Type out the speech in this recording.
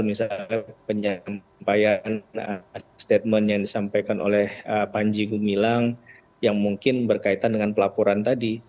misalnya penyampaian statement yang disampaikan oleh panji gumilang yang mungkin berkaitan dengan pelaporan tadi